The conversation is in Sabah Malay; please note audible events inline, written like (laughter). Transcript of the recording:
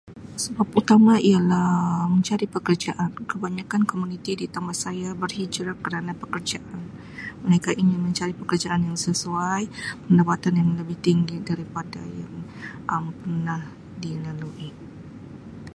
Sebab utama ialah mencari pekerjaan, kebanyakkan komuniti di (unintelligible) saya berhijrah kerana pekerjaan, mereka ini mencari pekerjaan yang sesuai, pendapatan yang lebih tinggi daripada yang Um pernah dilalui.